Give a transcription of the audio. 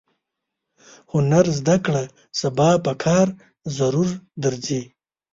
هنر زده کړه سبا پکار ضرور درځي.